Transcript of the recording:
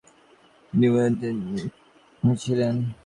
তিনি ওয়েন তিয়ানজিয়াংয়ের উত্তরাধিকারী ছিলেন।